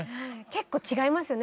結構違いますよね。